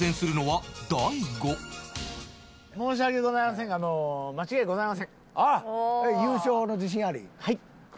はい。